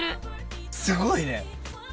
すごいね。